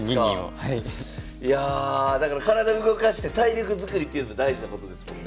いやだから体動かして体力づくりっていうの大事なことですもんね。